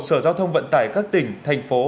sở giao thông vận tải các tỉnh thành phố